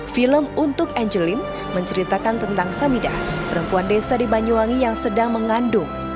film untuk angeline menceritakan tentang samidah perempuan desa di banyuwangi yang sedang mengandung